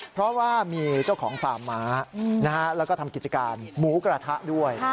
เพราะว่ามีเจ้าของฟาร์มม้าแล้วก็ทำกิจการหมูกระทะด้วย